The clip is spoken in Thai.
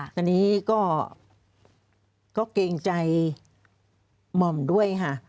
อันนี้ก็เกรงใจหม่อมด้วยค่ะ